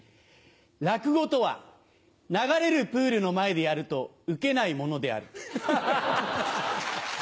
落語とは流れるプールの前でやるとウケないものである。